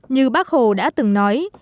như bác hồ đã từng nói